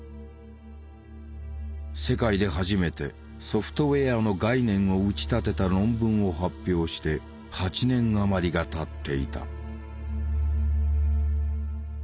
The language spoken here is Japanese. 世界で初めてソフトウェアの概念を打ち立てた論文を発表して８年余りがたっていた。